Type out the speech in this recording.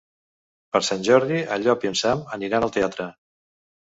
Per Sant Jordi en Llop i en Sam aniran al teatre.